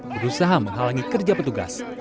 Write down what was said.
berusaha menghalangi kerja petugas